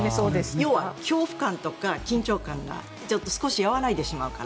要は恐怖感とか緊張感が少し和らいでしまうから。